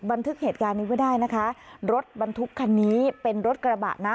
บันทึกเหตุการณ์นี้ไว้ได้นะคะรถบรรทุกคันนี้เป็นรถกระบะนะ